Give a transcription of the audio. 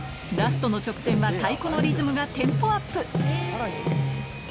ラストの直線は太鼓のリズムがテンポアップ